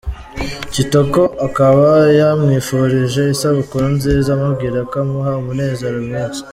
Kitoko akaba yamwifurije isabukuru nziza amubwira ko amuha umunezero mwinshi.